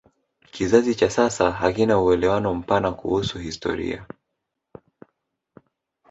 kizazi cha sasa hakina uelewa mpana kuhusu historia